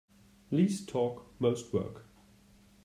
Least talk most work.